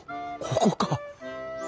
ここか。